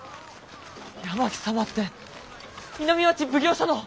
「八巻様」って南町奉行所の！？